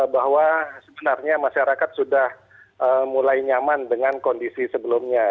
bahwa sebenarnya masyarakat sudah mulai nyaman dengan kondisi sebelumnya